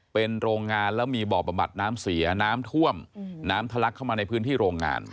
เป็นโรงงานแล้วมีบ่อบำบัดน้ำเสียน้ำท่วมน้ำทะลักเข้ามาในพื้นที่โรงงาน